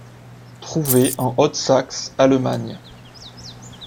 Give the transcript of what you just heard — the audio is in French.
Trouvée en Haute-Saxe Allemagne.